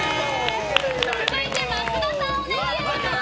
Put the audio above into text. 続いて、松田さんお願いします。